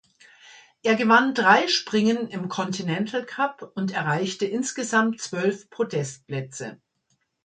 Er gewann drei Springen im Continental Cup und erreichte insgesamt zwölf Podestplätze.